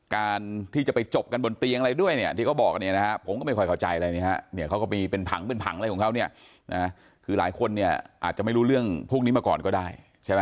คือหลายคนอาจจะไม่รู้เรื่องพวกนี้มาก่อนก็ได้